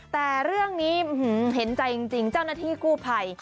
แต่เรื่องนี้เห็นใจจริงเจ้าหน้าที่กู้ภัย